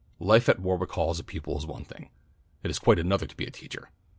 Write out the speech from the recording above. "Life at Warwick Hall as a pupil is one thing. It is quite another to be a teacher.